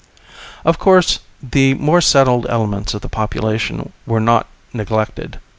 Of course the more settled elements of the population were not neglected.